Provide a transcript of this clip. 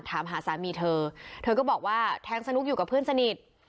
ถามหาสามีเธอเธอก็บอกว่าแทงสนุกอยู่กับเพื่อนสนิท